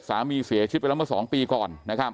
สามีเสียชิบแล้วเมื่อ๒ปีก่อน